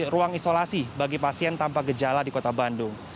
ruang isolasi bagi pasien tanpa gejala di kota bandung